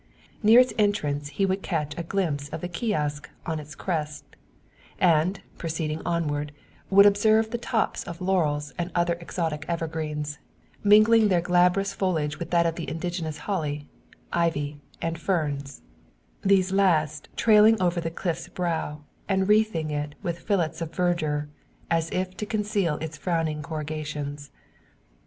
Near its entrance he would catch a glimpse of the kiosk on its crest; and, proceeding onward, will observe the tops of laurels and other exotic evergreens, mingling their glabrous foliage with that of the indigenous holly, ivy, and ferns; these last trailing over the cliff's brow, and wreathing it with fillets of verdure, as if to conceal its frowning corrugations.